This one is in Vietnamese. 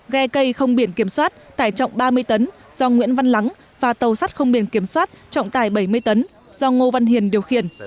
ghe cây không biển kiểm soát tải trọng ba mươi tấn do nguyễn văn lắng và tàu sắt không biển kiểm soát trọng tải bảy mươi tấn do ngô văn hiền điều khiển